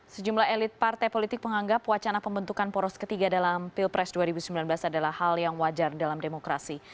sejumlah elit partai politik menganggap wacana pembentukan poros ketiga dalam pilpres dua ribu sembilan belas adalah hal yang wajar dalam demokrasi